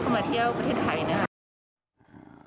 ก็อยากเชิญให้นักท่องเที่ยวเข้ามาเที่ยวประเทศไทยนะครับ